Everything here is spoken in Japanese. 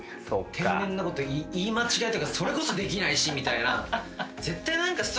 天然なこと言い間違いとかそれこそできないしみたいな。